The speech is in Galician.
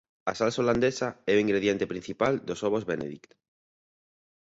A salsa holandesa é o ingrediente principal dos ovos Benedict.